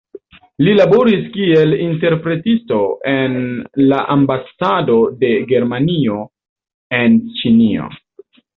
Li laboris kiel interpretisto en la ambasado de Germanio en Ĉinio.